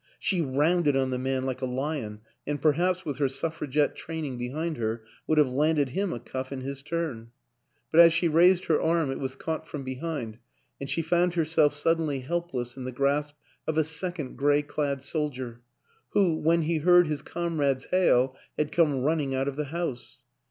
She rounded on the man like a lion, and perhaps, with her suffragette train ing behind her, would have landed him a cuff in his turn; but as she raised her arm it was caught from behind and she found herself suddenly help less in the grasp of a second gray clad soldier who, when he heard his comrade's hail, had come running out of the house.